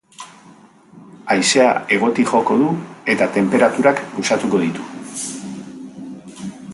Haizea hegotik joko du, eta tenperaturak goxatuko ditu.